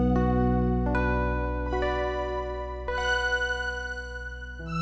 pindah dalem ya